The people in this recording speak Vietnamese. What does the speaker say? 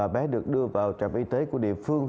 bé được đưa vào trạm y tế của địa phương